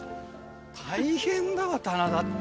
大変だな、棚田って。